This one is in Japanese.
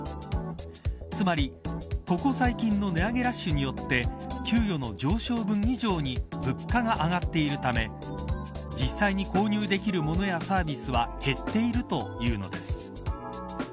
つまり、ここ最近の値上げラッシュによって給与の上昇分以上に物価が上がっているため実際に購入できる物やサービスは減っているというのです。